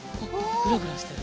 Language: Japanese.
グラグラしてる。